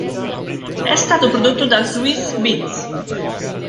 È stato prodotto da Swizz Beatz.